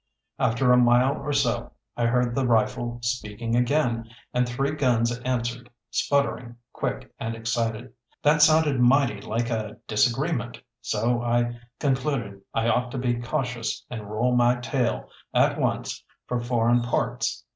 After a mile or so I heard the rifle speaking again, and three guns answered, sputtering quick and excited. That sounded mighty like a disagreement, so I concluded I ought to be cautious and roll my tail at once for foreign parts.